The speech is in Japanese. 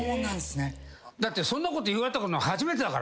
だってそんなこと言われたの初めてだから。